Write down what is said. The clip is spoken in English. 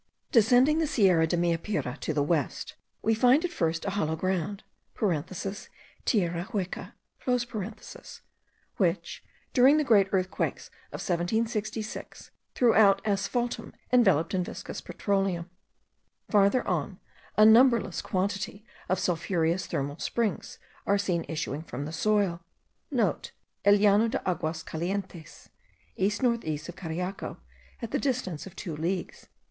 Descending the Sierra de Meapire to the west, we find at first a hollow ground (tierra hueca) which, during the great earthquakes of 1766, threw out asphaltum enveloped in viscous petroleum. Farther on, a numberless quantity of sulphureous thermal springs* are seen issuing from the soil (* El Llano de Aguas calientes, east north east of Cariaco, at the distance of two leagues.)